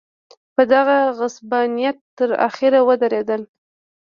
په دغه غصبانیت تر اخره ودرېدل.